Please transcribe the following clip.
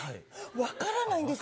分からないんです。